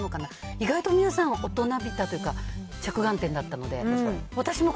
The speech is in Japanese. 意外と皆さん、大人びたというか、着眼点だったので。